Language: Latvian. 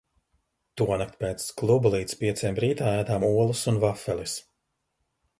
Tonakt pēc kluba līdz pieciem rītā ēdām olas un vafeles.